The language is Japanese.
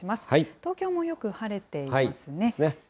東京もよく晴れていますね。